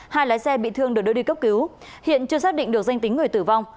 hai lái xe bị thương được đưa đi cấp cứu hiện chưa xác định được danh tính người tử vong